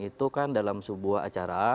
itu kan dalam sebuah acara